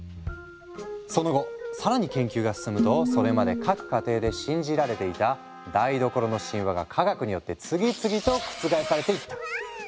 その後更に研究が進むとそれまで各家庭で信じられていた台所の神話が科学によって次々と覆されていった。